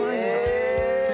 へえ！